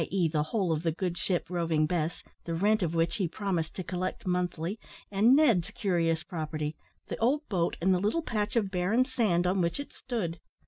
e. the hull of the good ship Roving Bess the rent of which he promised to collect monthly and Ned's curious property, the old boat and the little patch of barren sand, on which it stood.